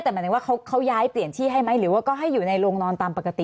แต่หมายถึงว่าเขาย้ายเปลี่ยนที่ให้ไหมหรือว่าก็ให้อยู่ในโรงนอนตามปกติ